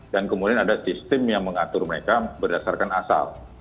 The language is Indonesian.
dan kemudian ada sistem yang mengatur mereka berdasarkan asal